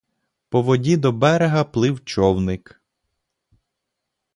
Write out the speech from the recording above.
По воді до берега плив човник.